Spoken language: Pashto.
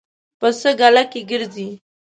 پسه ګله کې ګرځي.